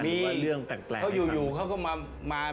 หรือว่าเรื่องแตกแปลกในคำนี้เขาอยู่เขาก็มา